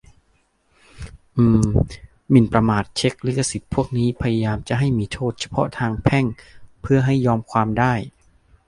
อืม หมิ่นประมาท เช็ค ลิขสิทธิ์ พวกนี้พยายามจะให้มีโทษเฉพาะทางแพ่ง เพื่อให้ยอมความได้